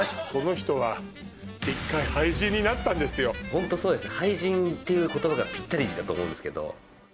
ホントそうですね。